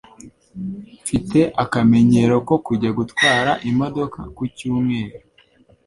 Mfite akamenyero ko kujya gutwara imodoka ku cyumweru.